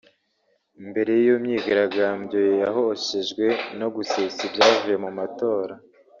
Mbere y’iyo myigagambyo yahoshejwe no gusesa ibyavuye mu matora